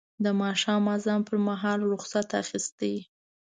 د ماښام اذان پر مهال رخصت اخیست.